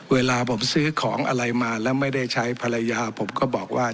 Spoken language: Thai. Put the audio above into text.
เวลาผมซื้อของอะไรมาแล้วไม่ได้ใช้ภรรยาผมก็บอกว่า